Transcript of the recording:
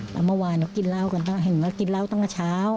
แล้วเมื่อวานก็กินเหล้ากันต้องเห็นว่ากินเหล้าตั้งแต่เช้า